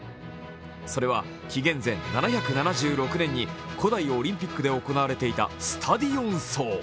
それは紀元前７６６年に古代オリンピックで行われていたスタディオン走。